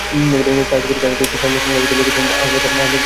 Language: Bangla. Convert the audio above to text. ছায়াছবিটির কাহিনী, চিত্রনাট্য ও সংলাপ লিখেছেন আহমদ জামান চৌধুরী।